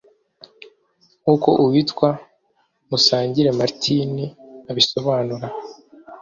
nk’uko uwitwa Musangire Martin abisobanura